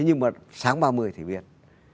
nhưng mà sáng ba mươi thì biết